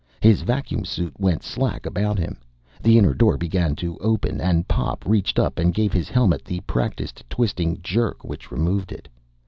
His vacuum suit went slack about him. The inner door began to open, and Pop reached up and gave his helmet the practiced twisting jerk which removed it.